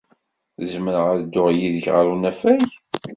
Zemreɣ ad dduɣ yid-k ɣer unafag?